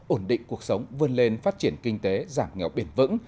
ổn định cuộc sống vươn lên phát triển kinh tế giảm nghèo bền vững